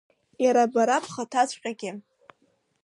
Иара бара бхаҭаҵәҟьагьы.